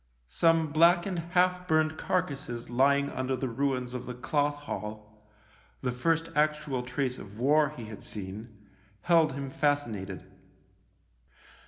Some blackened half burned carcases lying under the ruins of the Cloth Hall — the first actual trace of war he had seen — held him fascinated.